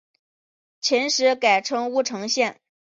秦时改称乌程县。